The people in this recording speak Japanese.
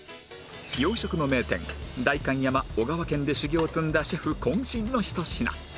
洋食の名店代官山小川軒で修業を積んだシェフ渾身のひと品